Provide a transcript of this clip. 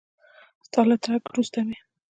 ستا له تګ وروسته مې